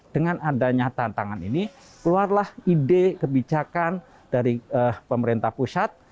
dengan adanya tantangan ini keluarlah ide kebijakan dari pemerintah pusat